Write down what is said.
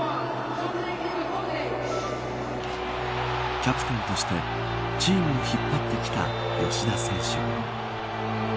キャプテンとしてチームを引っ張ってきた吉田選手。